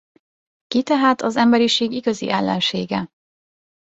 Ki tehát az emberiség igazi ellensége?